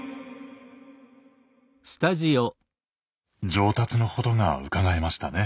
上達のほどがうかがえましたね。